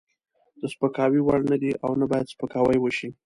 د سپکاوي وړ نه دی او نه باید سپکاوی وشي.